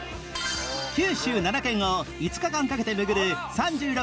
九州７県を５日間かけて巡る３６